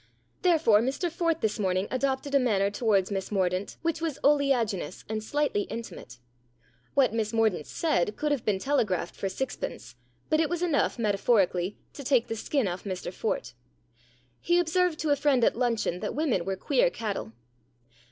Therefore Mr Fort this morning adopted a manner towards Miss Mordaunt which was oleaginous and slightly intimate. What Miss Mordaunt said could have been telegraphed for sixpence, but it was enough, metaphorically, to take the skin off Mr Fort. He observed to a friend at luncheon that women were queer cattle.